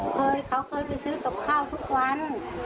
เคยเขาเคยไปซื้อกับข้าวทุกวัน